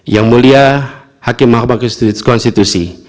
yang mulia hakim mahkamah konstitusi